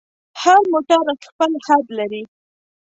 هر موټر خپل حد لري.